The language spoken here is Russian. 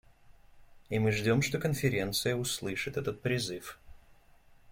И мы ждем, что Конференция услышит этот призыв.